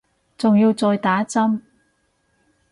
仲要再打針